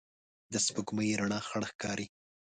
د سپوږمۍ رڼا خړه ښکاري